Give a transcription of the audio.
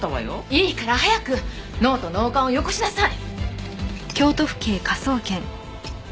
いいから早く脳と脳幹をよこしなさい！